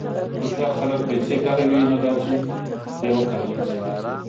هوښیار خلک پیسې کاروي، نه دا چې پرې وکارول شي.